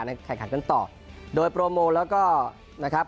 แข่งขันกันต่อโดยโปรโมแล้วก็นะครับ